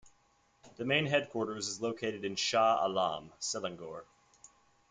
The main headquarters is located in Shah Alam, Selangor.